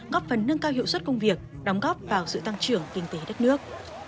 góp phần nâng cao hiệu suất công việc đóng góp vào sự tăng trưởng kinh tế đất nước